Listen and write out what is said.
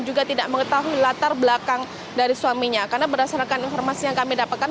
juga tidak mengetahui latar belakang dari suaminya karena berdasarkan informasi yang kami dapatkan